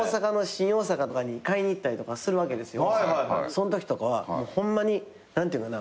そんときとかはホンマに何ていうんかな。